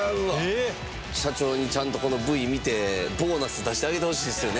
社長にちゃんとこのＶ見てボーナス出してあげてほしいっすよね